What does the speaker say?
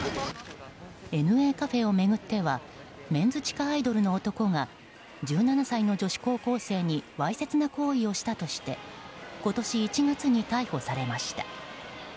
ＮＡカフェを巡ってはメンズ地下アイドルの男が１７歳の女子高校生にわいせつな行為をしたとして今年１月に逮捕されました。